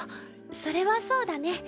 それはそうだね。